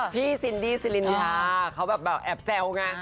ซินดี้สิรินทาเขาแบบแอบแซวไง